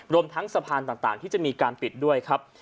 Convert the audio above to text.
รวมทั้งสะพานต่างที่จะมีการปิดด้วยครับ